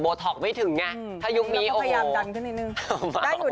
โบท็อกไม่ถึงไงถ้ายุคนี้โอ้โหเราก็พยายามดันขึ้นนิดนึง